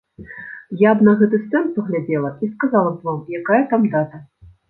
Я б на гэты стэнд паглядзела, і сказала б вам, якая там дата.